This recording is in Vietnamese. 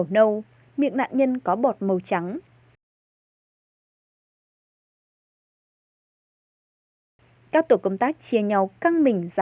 là mẹ kế nguyễn thị trinh